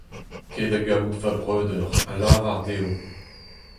Kae da gaout va breudeur ha lavar dezho :